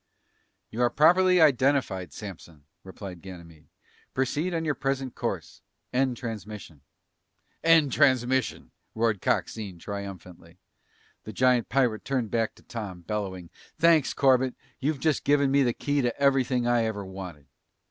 "You are properly identified, Samson," replied Ganymede. "Proceed on your present course. End transmission." "End transmission!" roared Coxine triumphantly. The giant pirate turned back to Tom, bellowing, "Thanks, Corbett. You've just given me the key to everything I ever wanted."